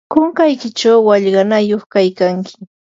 kunkaykichaw wallqanayuq kaykanki.